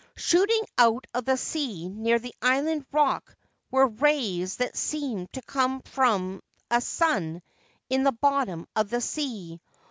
Shooting out of the sea near the island rock were rays that seemed to come from a sun in the bottom of the sea.